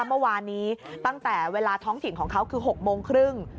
เมื่อวานนี้ตั้งแต่เวลาท้องถิ่นของเขาคือ๖โมงครึ่ง